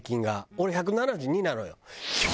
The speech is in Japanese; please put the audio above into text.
俺１７２なのよ。